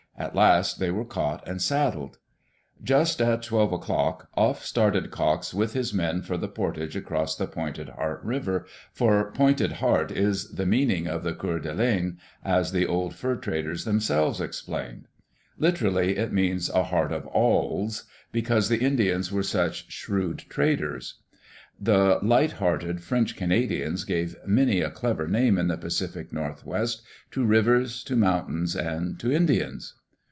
At last they were caught and saddled. Just at twelve o'clock, off started Cox with his men for the portage across the Pointed Heart River, for Pointed Heart is the meaning of the Coeur d'Alenes, as the old fur traders themselves explained. Literally it means " a heart of awls," because the Indians were such shrewd traders. Digitized by CjOOQ IC EARLY DAYS IN OLD OREGON The light hearted French Canadians gave many a clever name in the Pacific Northwest to rivers to mountains and to Indians.